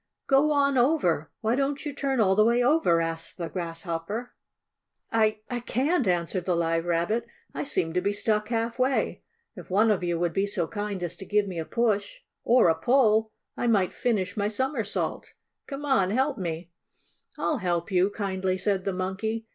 "Go on over! Why don't you turn all the way over?" asked the Grasshopper. [Illustration: Monkey Does Some "Monkey Shines." Page 65] "I I can't!" answered the Live Rabbit. "I seem to be stuck half way! If one of you would be so kind as to give me a push, or a pull, I might finish my somersault. Come on, help me!" "I'll help you," kindly said the Monkey.